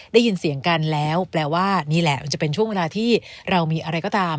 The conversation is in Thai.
ได้ยินเสียงกันแล้วแปลว่านี่แหละมันจะเป็นช่วงเวลาที่เรามีอะไรก็ตาม